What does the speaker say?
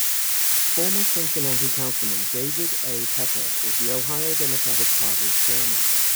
Former Cincinnati councilman David A. Pepper is the Ohio Democratic Party chairman.